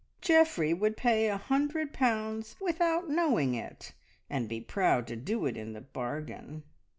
Geoffrey would pay a hundred pounds without knowing it, and be proud to do it into the bargain!"